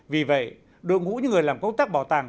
vì vậy đội ngũ những người làm công tác bảo tàng